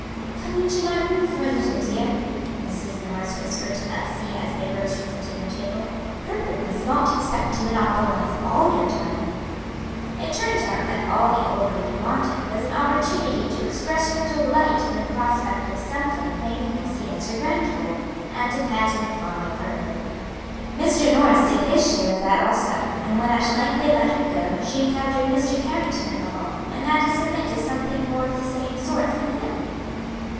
"Come into my room for a little, dear," Mrs. Norris whispered to Elsie as they rose from the dinner table. "Herbert must not expect to monopolize all your time." It turned out that all the old lady wanted was an opportunity to express her delight in the prospect of some day claiming Elsie as her granddaughter, and to pet and fondle her a little. Mr. Norris did his share of that also, and when at length they let her go she encountered Mr. Carrington in the hall, and had to submit to some thing more of the same sort from him.